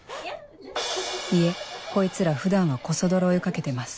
いえこいつら普段はコソ泥追い掛けてます